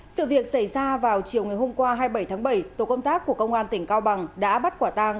sự việc xảy ra vào chiều ngày hôm qua hai mươi bảy tháng bảy tổ công tác của công an tỉnh cao bằng đã bắt quả tang